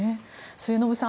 末延さん